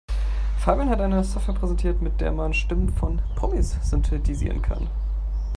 Fabian hat eine Software präsentiert, mit der man Stimmen von Promis synthetisieren kann.